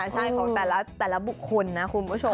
ใช่ของแต่ละบุคคลนะคุณผู้ชม